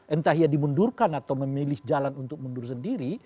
entah dia dimundurkan atau memilih jalan untuk mundur sendiri